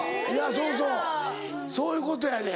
そうそうそういうことやねん。